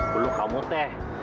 belum kamu teh